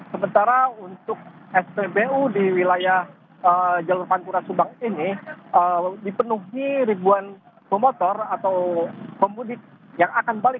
sementara untuk spbu di wilayah jalur pantura subang ini dipenuhi ribuan pemotor atau pemudik yang akan balik